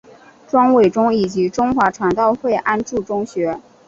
庄伟忠以及中华传道会安柱中学。